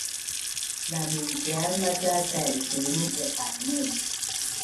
namincial maca tailpiin diqanin